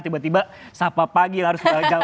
tiba tiba sapa pagi harus bangun jam empat tiga puluh